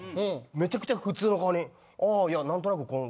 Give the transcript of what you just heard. めちゃくちゃ普通の顔で。